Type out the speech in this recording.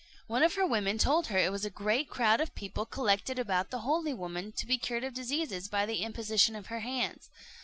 One of her women told her it was a great crowd of people collected about the holy woman to be cured of diseases by the imposition of her hands.